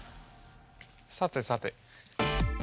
さてさて。